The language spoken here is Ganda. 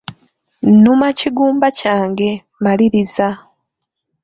Nnuma kigumba kyange, maliriza.